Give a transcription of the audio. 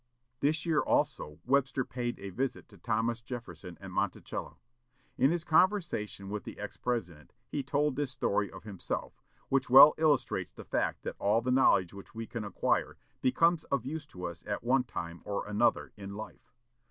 This year also Webster paid a visit to Thomas Jefferson at Monticello. In his conversation with the ex President, he told this story of himself, which well illustrates the fact that all the knowledge which we can acquire becomes of use to us at one time or another in life.